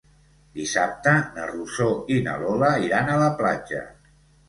Dissabte na Rosó i na Lola iran a la platja.